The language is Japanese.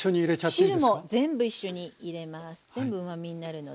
汁も全部一緒に入れます。